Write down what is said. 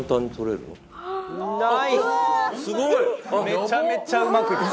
めちゃめちゃうまくいった。